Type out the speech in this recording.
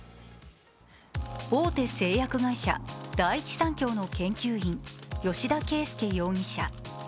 大手製薬会社・第一三共の研究員吉田佳右容疑者。